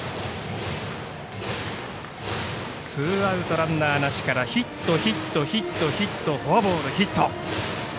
ツーアウト、ランナーなしからヒット、ヒット、ヒット、ヒットフォアボール、ヒット。